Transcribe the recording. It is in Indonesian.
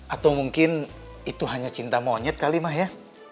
atau mungkin itu hanya cinta monyet kali ma ya